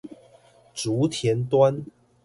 竹田端